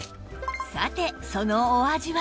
さてそのお味は？